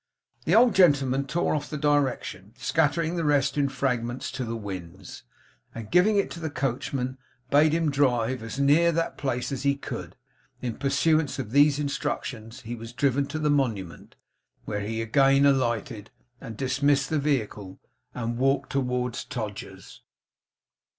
The old gentleman tore off the direction scattering the rest in fragments to the winds and giving it to the coachman, bade him drive as near that place as he could. In pursuance of these instructions he was driven to the Monument; where he again alighted, and dismissed the vehicle, and walked towards Todgers's.